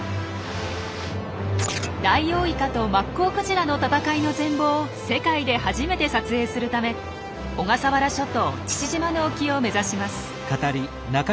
ダイオウイカとマッコウクジラの闘いの全貌を世界で初めて撮影するため小笠原諸島父島の沖を目指します。